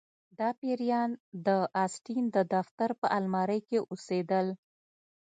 دا پیریان د اسټین د دفتر په المارۍ کې اوسیدل